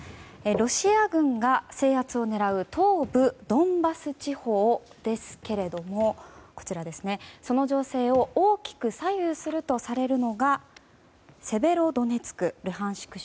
ロシア軍が制圧を狙う東部ドンバス地方ですけれどもその情勢を大きく左右するとされるのがルハンシク